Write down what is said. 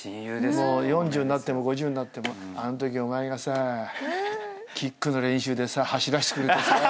４０になっても５０になっても「あんときお前がさキックの練習で走らせてくれてさ」